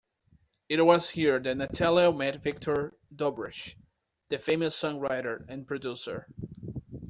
It was here that Natalia met Victor Drobysh, the famous songwriter and producer.